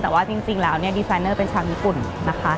แต่ว่าจริงแล้วเนี่ยดีไซเนอร์เป็นชาวญี่ปุ่นนะคะ